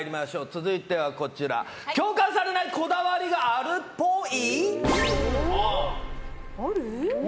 続いては、共感されないこだわりがあるっぽい。